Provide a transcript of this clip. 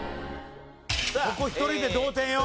ここ１人で同点よ！